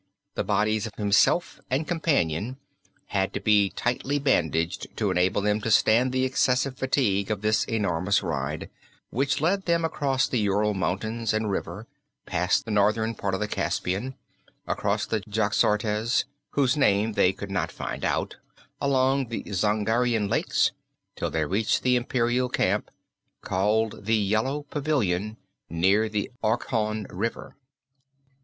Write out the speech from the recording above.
The bodies of himself and companion had to be tightly bandaged to enable them to stand the excessive fatigue of this enormous ride, which led them across the Ural Mountains and River past the northern part of the Caspian, across the Jaxartes, whose name they could not find out, along the Dzungarian Lakes till they reached the Imperial Camp, called the Yellow Pavilion, near the Orkhon River.